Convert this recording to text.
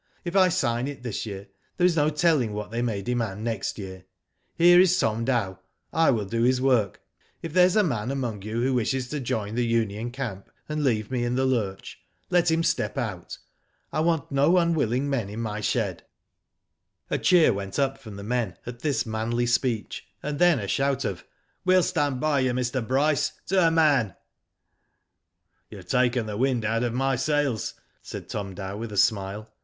If I sign it this year there is no telling what they may demand next year. Here is Tom Dow. I will do his work. If there is a man among you who wishes to join the union camp, and leave me in the lurch, let him step out. I want no unwilling men in my shed/* A cheer went up from the men at this manly speech, and then a shout of: "WeMl stand by you, Mr. Bryce, to a man.'* " You've taken the wind out of my sails," said Tom Dow, with a smile.